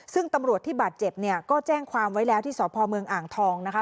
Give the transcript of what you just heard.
ซึ่งตำรวจที่บาดเจ็บเนี่ยก็แจ้งความไว้แล้วที่สพเมืองอ่างทองนะคะ